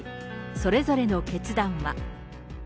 それぞれの決断は。